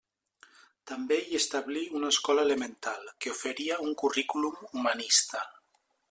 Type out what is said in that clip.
També hi establí una escola elemental, que oferia un currículum humanista.